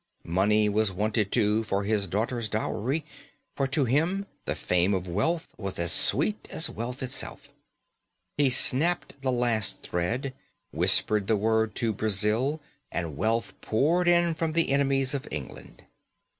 Money was wanted, too, for his daughter's dowry; for to him the fame of wealth was as sweet as wealth itself. He snapped the last thread, whispered the word to Brazil, and wealth poured in from the enemies of England.